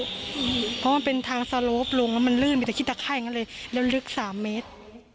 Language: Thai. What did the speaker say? เพราะว่ามันเป็นทางสลบลงมันลื่นไปจากขี้ตาไข้อย่างนั้นเลยแล้วลึก๓เมตร